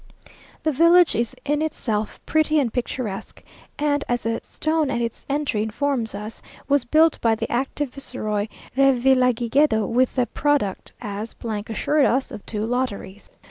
The village is in itself pretty and picturesque; and, as a stone at its entry informs us, was built by the active Viceroy Revillagigedo, with the product, as assured us, of two lotteries.